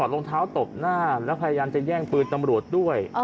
รองเท้าตบหน้าแล้วพยายามจะแย่งปืนตำรวจด้วย